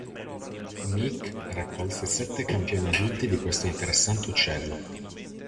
Meek raccolse sette campioni adulti di questo interessante uccello.